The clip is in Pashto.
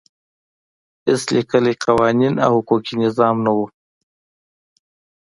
هېڅ لیکلی قانون او حقوقي نظام نه و.